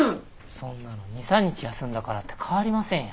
そんなの２３日休んだからって変わりませんよ。